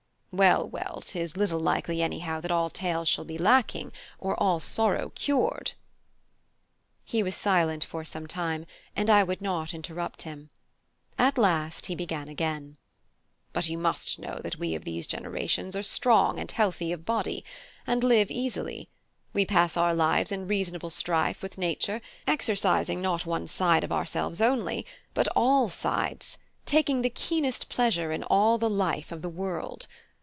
Well, well, 'tis little likely anyhow that all tales shall be lacking, or all sorrow cured." He was silent for some time, and I would not interrupt him. At last he began again: "But you must know that we of these generations are strong and healthy of body, and live easily; we pass our lives in reasonable strife with nature, exercising not one side of ourselves only, but all sides, taking the keenest pleasure in all the life of the world.